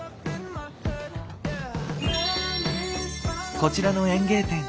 こちらの園芸店